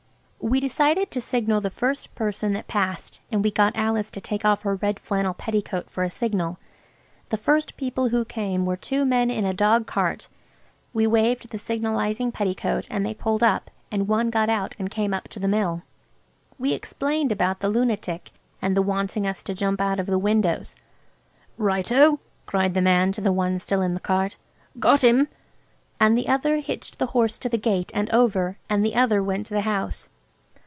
We decided to signal the first person that passed, and we got Alice to take off her red flannel petticoat for a signal. The first people who came were two men in a dog cart. We waved the signalising petticoat and they pulled up, and one got out and came up to the Mill. We explained about the lunatic and the wanting us to jump out of the windows. "Right oh!" cried the man to the one still in the cart; "got him." And the other hitched the horse to the gate and over, and the other went to the house.